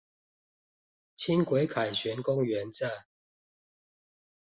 輕軌凱旋公園站